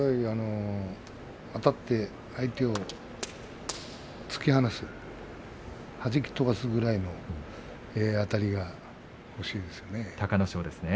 あたって相手を突き放すはじき飛ばすくらいのあたりが欲しいですね。